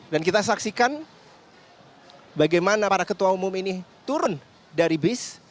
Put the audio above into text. dan kita saksikan bagaimana para ketua umum ini turun dari bis